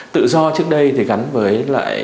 tự do trước đây thì gắn với lại